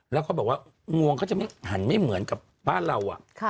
แล้วเขาบอกว่างวงเขาจะไม่หันไม่เหมือนกับบ้านเรา